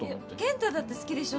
健太だって好きでしょ？